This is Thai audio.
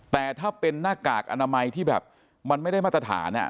แต่ถ้าเป็นหน้ากากอนามัยที่แบบมันไม่ได้มาตรฐาน